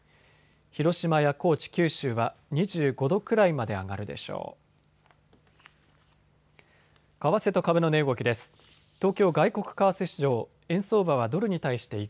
広島や高知、九州は２５度くらいまで上がるでしょう。